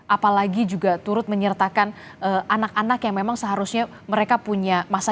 apalagi juga turut menyertakan anak anak yang memang seharusnya mereka punya masalah